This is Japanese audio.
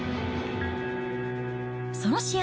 その試合